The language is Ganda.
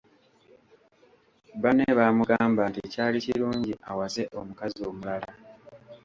Banne baamugamba nti kyali kirungi awase omukazi omulala.